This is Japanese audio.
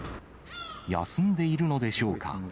休んでいるのでしょうか。